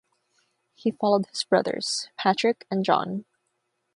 He followed his brothers, Patrick and John.